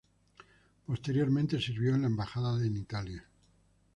Posteriormente sirvió en la Embajada en Italia.